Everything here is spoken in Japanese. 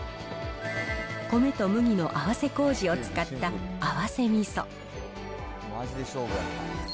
米と麦のあわせこうじを使った合わせみそ。